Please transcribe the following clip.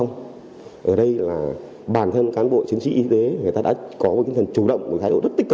các bạn hãy đăng ký kênh để nhận thông tin nhất nhé